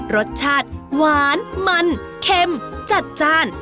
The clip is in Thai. รสชาติหวานมันเค็มจัดจ้าน